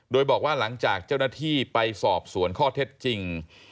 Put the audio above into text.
โดยบอกว่าหลังจากเจ้าหน้าที่ไปสอบสวนข้อเท็จจริง